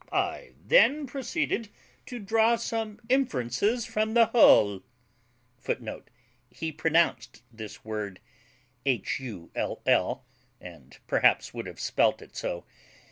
I then proceeded to draw some inferences from the whole; [Footnote: He pronounced this word HULL, and perhaps would have spelt it so.